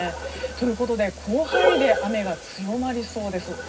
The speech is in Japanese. ということで広範囲で雨が強まりそうです。